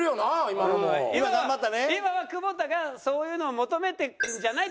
「今は久保田がそういうのを求めてるんじゃない？」って